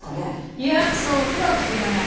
いやそうとは限らない。